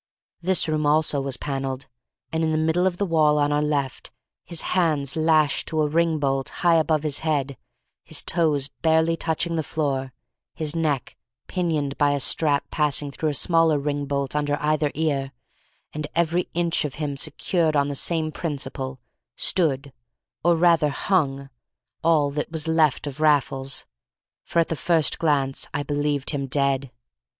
This room also was panelled, and in the middle of the wall on our left, his hands lashed to a ring bolt high above his head, his toes barely touching the floor, his neck pinioned by a strap passing through smaller ring bolts under either ear, and every inch of him secured on the same principle, stood, or rather hung, all that was left of Raffles, for at the first glance I believed him dead.